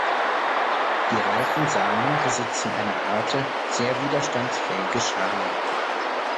Die reifen Samen besitzen eine harte, sehr widerstandsfähige Schale.